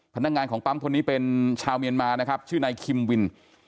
พนักงานของปั๊มทนนี้เป็นชาวเมียนมาชื่อไนท์คิมวิน